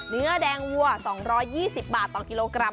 เนื้อแดงวัว๒๒๐บาทต่อกิโลกรัม